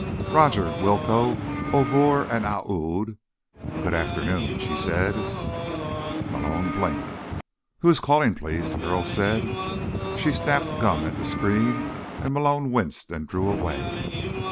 "Rodger, Willcoe, O'Vurr and Aoud, good afternoon," she said. Malone blinked. "Who is calling, please?" the girl said. She snapped gum at the screen and Malone winced and drew away.